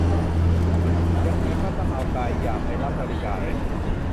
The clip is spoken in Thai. ยังไงก็ต้องเอากายหยาบไปรับบริการ